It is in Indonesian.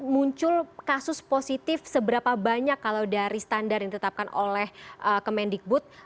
muncul kasus positif seberapa banyak kalau dari standar yang ditetapkan oleh kemendikbud